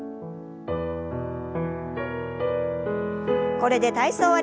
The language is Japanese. これで体操を終わります。